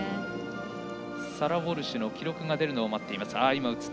サラ・ウォルシュの記録が出るのを待っています。